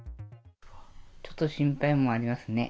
ちょっと心配もありますね。